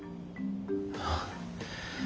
ああ。